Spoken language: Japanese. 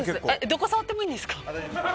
どこ触ってもいいんですか。